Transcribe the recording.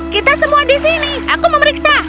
kita semua di sini aku memeriksa